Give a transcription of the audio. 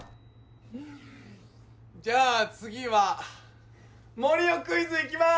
じゃあ次は森生クイズ行きます！